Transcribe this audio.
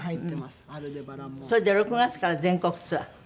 それで６月から全国ツアー？